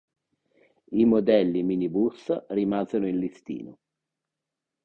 I modelli minibus rimasero in listino.